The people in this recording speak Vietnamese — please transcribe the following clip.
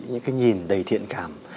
những cái nhìn đầy thiện cảm